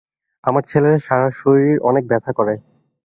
আমার ছেলের সারা শরীর অনেক ব্যথা করে।